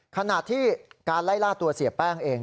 ขณะที่การไล่ล่าตัวเสียแป้งเอง